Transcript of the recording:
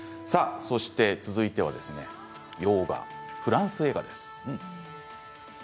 続いては洋画、フランス映画です。